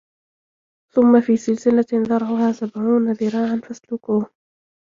ثُمَّ في سِلسِلَةٍ ذَرعُها سَبعونَ ذِراعًا فَاسلُكوهُ